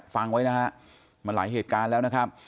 ฟังไว้นะฮะมันหลายเหตุการณ์แล้วนะครับ